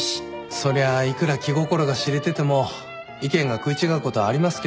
そりゃあいくら気心が知れてても意見が食い違うことはありますけど。